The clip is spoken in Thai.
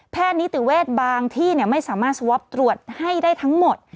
นิติเวชบางที่ไม่สามารถสวอปตรวจให้ได้ทั้งหมด